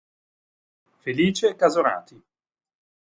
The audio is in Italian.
Felice Casorati.